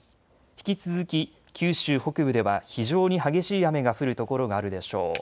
引き続き九州北部では非常に激しい雨が降る所があるでしょう。